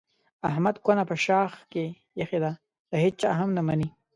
احمد کونه په شاخ کې ایښې ده د هېچا هم نه مني.